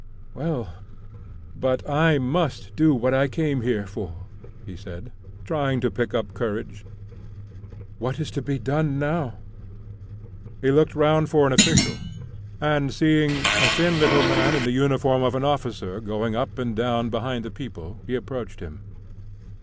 "Well, but I must do what I came here for," he said, trying to pick up courage. "What is to be done now?" He looked round for an official, and seeing a thin little man in the uniform of an officer going up and down behind the people, he approached him.